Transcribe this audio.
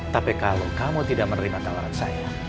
tapi kalau kamu tidak menerima tawaran saya